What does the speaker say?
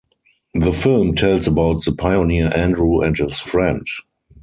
The film tells about the pioneer Andrew and his friend.